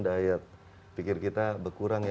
diet pikir kita berkurang ya